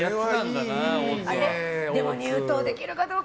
でも入党できるかどうか。